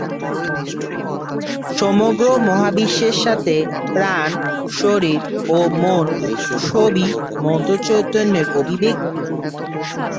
সমগ্র মহাবিশ্বের সাথে প্রাণ, শরীর ও মন সবই মন্ত্র চৈতন্যের অভিব্যক্তি।